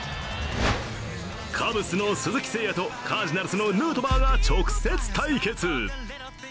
カブスの鈴木誠也とカージナルスのヌートバーが直接対決。